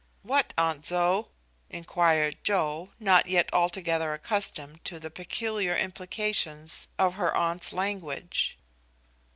"What, Aunt Zoë?" inquired Joe, not yet altogether accustomed to the peculiar implications of her aunt's language.